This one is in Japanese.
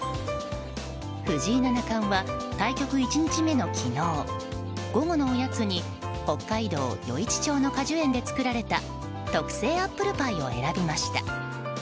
藤井七冠は対局１日目の昨日午後のおやつに北海道余市町の果樹園で作られた特製アップルパイを選びました。